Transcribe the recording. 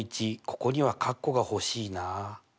ここにはかっこが欲しいな。